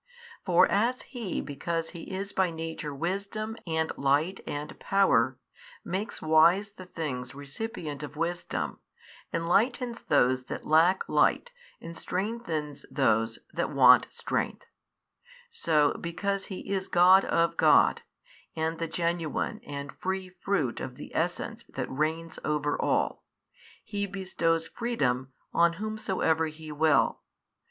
For as He because He is by Nature Wisdom and Light and Power, makes wise the things recipient of |632 wisdom, enlightens those that lack light and strengthens those that want strength; so because He is God of God, and the Genuine and Free Fruit of the Essence That reigns over all, He bestows freedom on whomsoever He will.